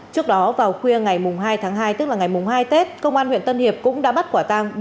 trước đó vào khuya ngày hai tháng hai tức là ngày hai tết công an huyện tân hiệp cũng đã bắt quả tang